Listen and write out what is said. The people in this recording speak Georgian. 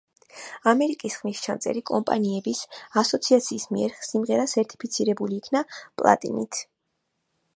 ამერიკის ხმისჩამწერი კომპანიების ასოციაციის მიერ სიმღერა სერტიფიცირებული იქნა პლატინით.